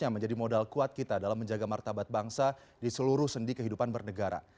menjaga martabat bangsa di seluruh sendi kehidupan bernegara